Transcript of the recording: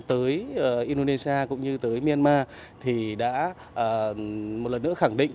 tới indonesia cũng như tới myanmar thì đã một lần nữa khẳng định